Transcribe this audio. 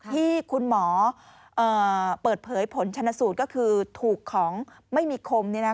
ที่คุณหมอเปิดเผยผลชนสูตรก็คือถูกของไม่มีคม